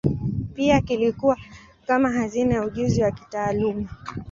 Pia kilikuwa kama hazina ya ujuzi wa kitaalamu.